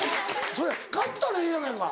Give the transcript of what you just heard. それ買ったらええやないか。